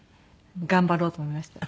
頑張ろうと思いました。